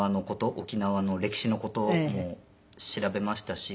沖縄の歴史の事も調べましたし